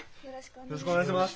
よろしくお願いします。